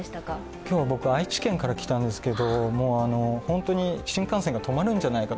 今日は僕、愛知県から来たんですけど、本当に新幹線が止まるんじゃないかなと。